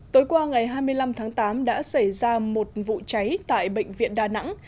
tối qua ngày hai mươi năm tháng tám đã xảy ra một vụ cháy tại bệnh viện đà nẵng